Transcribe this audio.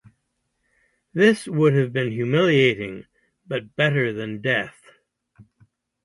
This would have been humiliating, but better than death.